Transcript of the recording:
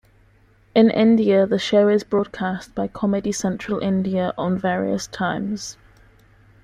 In India the show is broadcast by Comedy Central India on various times.